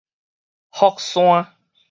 福山